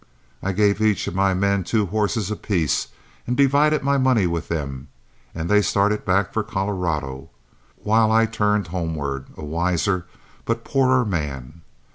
I gave each of my men two horses apiece, and divided my money with them, and they started back to Colorado, while I turned homeward a wiser but poorer man.